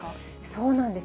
そうなんです。